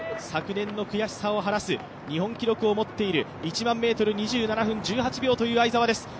昨年の悔しさをはらす、日本記録を持っている、１００００ｍ、２７分１８秒という相澤です。